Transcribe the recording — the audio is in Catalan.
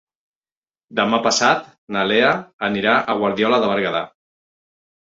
Demà passat na Lea anirà a Guardiola de Berguedà.